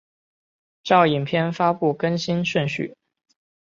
照影片发布更新顺序